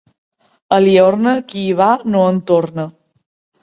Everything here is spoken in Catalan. A Liorna, qui hi va, no en torna.